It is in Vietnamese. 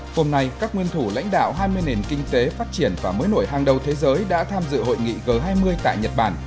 hôm nay các nguyên thủ lãnh đạo hai mươi nền kinh tế phát triển và mới nổi hàng đầu thế giới đã tham dự hội nghị g hai mươi tại nhật bản